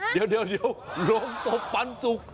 เดี๋ยวโรงศพปันสุก